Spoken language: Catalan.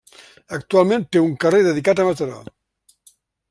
Actualment té un carrer dedicat a Mataró.